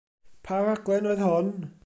Pa raglen oedd hon?